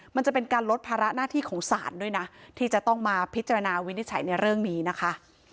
มันจะเป็นการลดภาระหน้าที่ของศาลด้วยนะที่จะต้องมาพิจารณาวินิจฉัยในเรื่องนี้นะคะ